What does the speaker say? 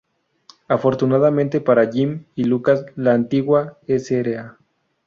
Afortunadamente para Jim y Lucas la antigua Sra.